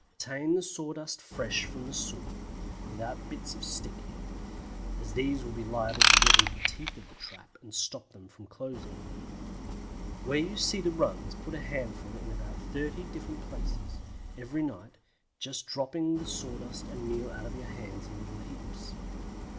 Obtain the sawdust fresh from under the saw, without bits of stick in, as these would be liable to get into the teeth of the trap and stop them from closing. Where you see the runs put a handful in say about 30 different places, every night, just dropping the sawdust and meal out of your hands in little heaps.